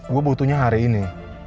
gue butuhnya hari ini